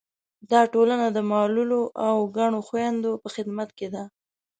دا ټولنه د معلولو او کڼو خویندو په خدمت کې ده.